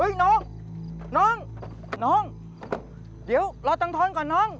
เฮ้ยน้องน้องน้องเดี๋ยวรอตั้งทอนก่อนน้อง